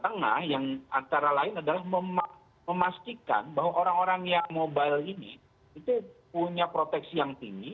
di tengah yang antara lain adalah memastikan bahwa orang orang yang mobile ini itu punya proteksi yang tinggi